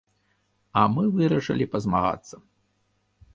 А мы вырашылі пазмагацца.